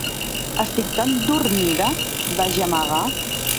'Estic tan dormida?' va gemegar.